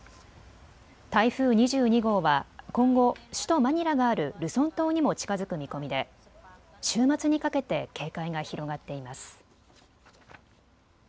台風２２号は今後、首都マニラがあるルソン島にも近づく見込みで週末にかけて警戒が広がっています。